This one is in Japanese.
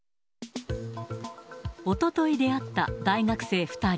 おととい出会った大学生２人。